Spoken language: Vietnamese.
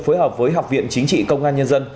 phối hợp với học viện chính trị công an nhân dân